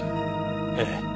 ええ。